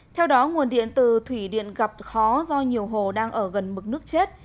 theo đó nguồn điện từ thủy điện gặp khó do nhiều hồ đang ở gần mực nước chết